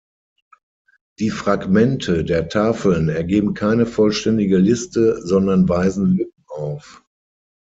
Die Fragmente der Tafeln ergeben keine vollständige Liste, sondern weisen Lücken auf.